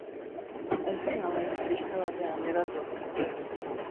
Ezin al haiz pixka batean geratu?